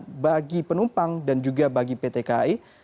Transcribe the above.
apa keuntungan bagi penumpang dan juga bagi pt kai